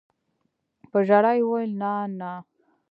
په ژړا يې وويل نانىه.